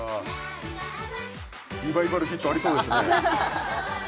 Ｎｏ．１Ｎｏ．１リバイバルヒットありそうですね